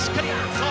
そう」。